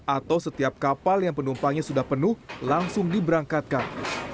atau setiap kapal yang penumpangnya sudah penuh langsung diberangkatkan